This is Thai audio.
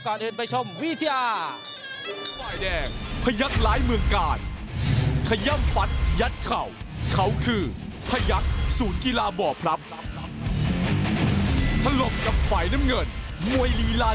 ก่อนถึงไปชมวีธีา